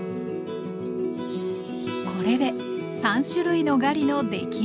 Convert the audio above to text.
これで３種類のガリの出来上がりです。